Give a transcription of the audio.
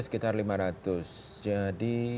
sekitar lima ratus jadi